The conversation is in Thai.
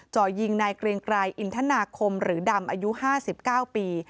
จ่อยิงนายเกรียงไกรอินทนาคมหรือดำอายุ๕๙ปี